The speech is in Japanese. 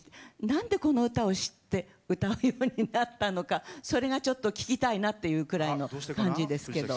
なんで、この歌を知って歌うようになったのかそれがちょっと聞きたいなっていうぐらいの感じですけど。